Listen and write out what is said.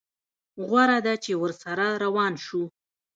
غوره ده چې ورسره روان شو.